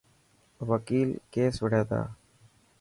وڪيل ڪيس وڙي تا.